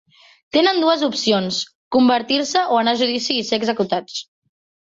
Tenen dues opcions: convertir-se o anar a judici i ser executats.